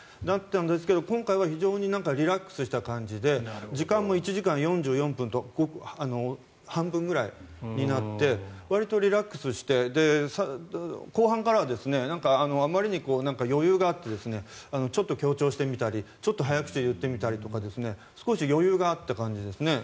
だけど、今回は非常にリラックスした感じで時間も１時間４４分と半分ぐらいになってわりとリラックスして後半からはあまりに余裕があってちょっと強調してみたりちょっと早口で言ってみたりとか少し余裕があった感じですね。